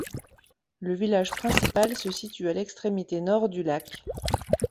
Le village principal se situe à l'extrémité nord du lac.